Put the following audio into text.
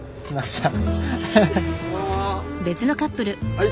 はい！